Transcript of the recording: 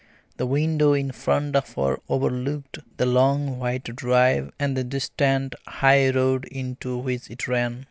The window in front of her overlooked the long white drive and the distant high road into which it ran.